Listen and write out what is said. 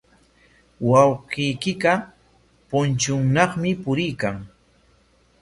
Wawqiykiqa punchuunaqmi puriykan.